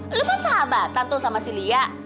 elu mah sahabatan tuh sama si lia